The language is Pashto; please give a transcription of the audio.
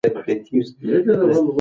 اقتصادي وضعیت باید ښه شي.